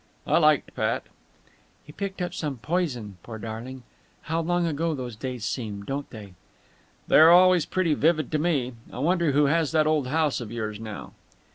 "I liked Pat." "He picked up some poison, poor darling.... How long ago those days seem, don't they?" "They are always pretty vivid to me. I wonder who has that old house of yours now."